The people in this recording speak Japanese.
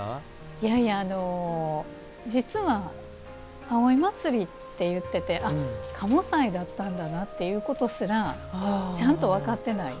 いやいや、あのー実は、葵祭って言ってて賀茂祭だったんだなということすらちゃんと分かってない。